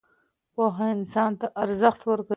پوهه انسان ته ارزښت ورکوي.